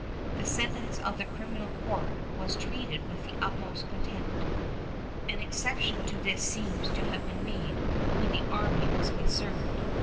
The sentence of the criminal court was treated with the utmost contempt. An exception to this seems to have been made when the army was concerned.